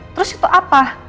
terus itu apa